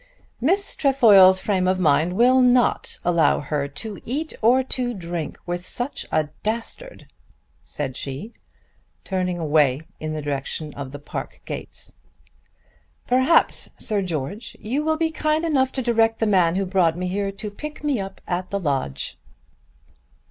"Miss Trefoil's frame of mind will not allow her to eat or to drink with such a dastard," said she turning away in the direction of the park gates. "Perhaps, Sir George, you will be kind enough to direct the man who brought me here to pick me up at the lodge."